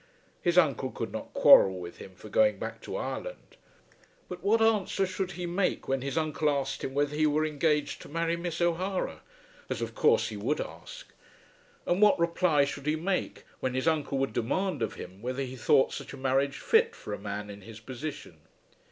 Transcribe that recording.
His uncle could not quarrel with him for going back to Ireland; but what answer should he make when his uncle asked him whether he were engaged to marry Miss O'Hara, as of course he would ask; and what reply should he make when his uncle would demand of him whether he thought such a marriage fit for a man in his position.